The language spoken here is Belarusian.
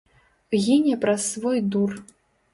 Гіне праз свой дур.